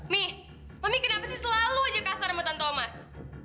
mi mami kenapa sih selalu aja kasar sama tante omas